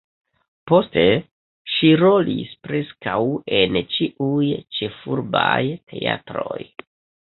Poste ŝi rolis preskaŭ en ĉiuj ĉefurbaj teatroj.